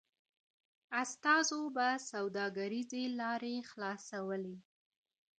استازو به سوداګریزي لاري خلاصولې.